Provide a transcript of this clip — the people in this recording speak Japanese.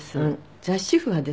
雑使婦はですね